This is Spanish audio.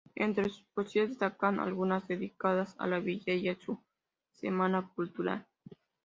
Entre sus poesías destacan algunas dedicadas a la villa y a su Semana Cultural.